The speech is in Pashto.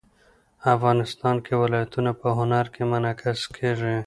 افغانستان کې ولایتونه په هنر کې منعکس کېږي.